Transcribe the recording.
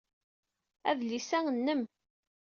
Adlis-a nnem.